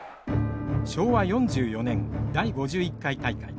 昭和４４年第５１回大会。